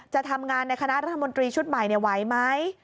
จะทำงานในคณะรัฐมนตรีชุดใหม่ไหวไหม